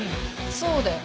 そうだよ。